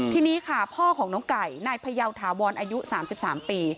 ทีนี้ค่ะพ่อของน้องไก่นายพยาวถาวรอายุ๓๓ปี